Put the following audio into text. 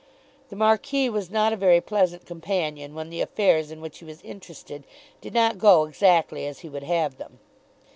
The Marquis was not a very pleasant companion when the affairs in which he was interested did not go exactly as he would have them.